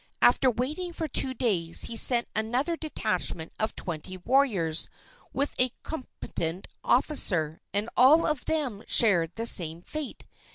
After waiting for two days he sent another detachment of twenty warriors, with a competent officer, and all of them shared the same fate.